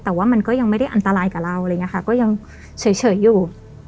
แต่ว่ามันก็ยังไม่ได้อันตรายกับเราอะไรอย่างนี้ค่ะก็ยังเฉยอยู่